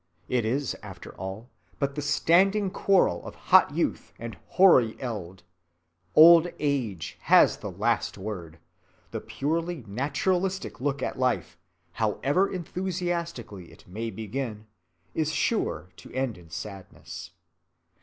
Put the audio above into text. It is after all but the standing quarrel of hot youth and hoary eld. Old age has the last word: the purely naturalistic look at life, however enthusiastically it may begin, is sure to end in sadness.